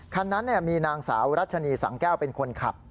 คันนั้นมีนางสาวรัชนีสังแก้วเป็นคนขับ